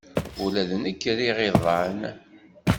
Ula d nekk riɣ iḍan.